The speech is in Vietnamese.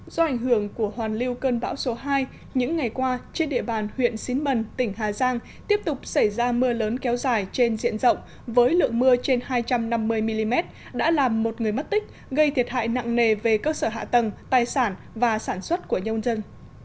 do ảnh hưởng của hoàn lưu cơn bão số hai những ngày qua trên địa bàn huyện xín mần tỉnh hà giang tiếp tục xảy ra mưa lớn kéo dài trên diện rộng với lượng mưa trên hai trăm năm mươi mm đã làm một người mất tích gây thiệt hại nặng nề về cơ sở hạ tầng tài sản và sản xuất của nhân dân